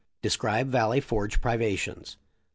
— Describe Valley Forge privations.